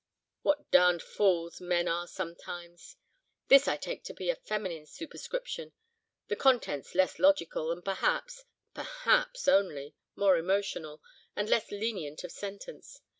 What d—d fools men are sometimes! This I take to be a feminine superscription—the contents less logical, and perhaps—perhaps only—more emotional, and less lenient of sentence.